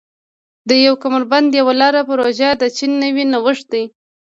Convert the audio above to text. د یو کمربند یوه لار پروژه د چین نوی نوښت دی.